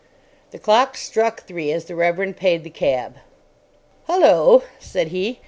The clocks struck three as the Reverend paid the cab. "Hullo!" said he.